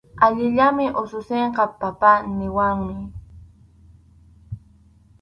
Allillanmi ususinqa “papá” niwanmi.